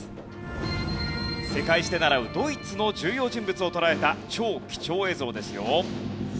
世界史で習うドイツの重要人物を捉えた超貴重映像ですよ。